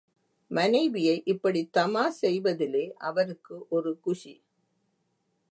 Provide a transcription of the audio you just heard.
மனைவியை இப்படித் தமாஷ் செய்வதிலே அவருக்கு ஒரு குஷி.